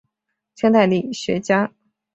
清代理学家。